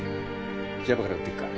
ジャブから打っていくか。